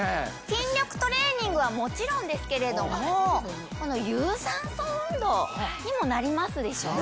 筋力トレーニングはもちろんですけれども有酸素運動にもなりますでしょう？